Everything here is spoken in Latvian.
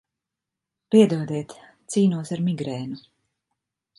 Piedodiet, cīnos ar migrēnu.